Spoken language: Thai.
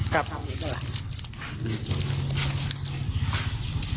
ครับ